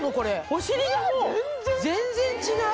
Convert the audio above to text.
お尻がもう全然違う！